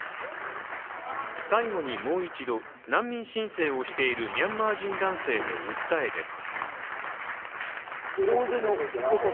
最後にもう一度、難民申請をしているミャンマー人男性の訴えです。